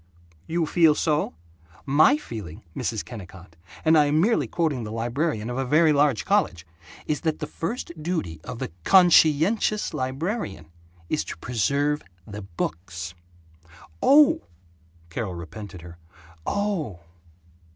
"You feel so? My feeling, Mrs. Kennicott, and I am merely quoting the librarian of a very large college, is that the first duty of the CONSCIENTIOUS librarian is to preserve the books." "Oh!" Carol repented her "Oh."